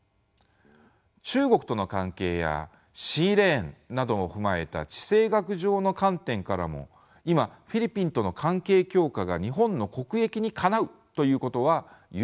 中国との関係やシーレーンなどを踏まえた地政学上の観点からも今フィリピンとの関係強化が日本の国益にかなうということは言うまでもありません。